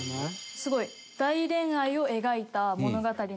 すごい大恋愛を描いた物語の歌です。